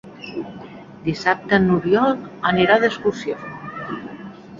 Dissabte n'Oriol anirà d'excursió.